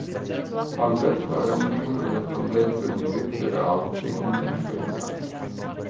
Alberto era un membro del collegio di Wetterau dei Conti Imperiali.